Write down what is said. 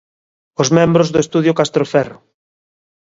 Os membros de Estudio Castroferro.